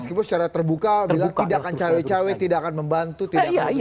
meskipun secara terbuka bila tidak akan cewek cewek tidak akan membantu tidak akan bertampaknya